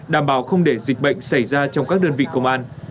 đảm bảo không để dịch bệnh xảy ra trong các đơn vị công an